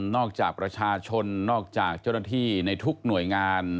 จากประชาชนนอกจากเจ้าหน้าที่ในทุกหน่วยงาน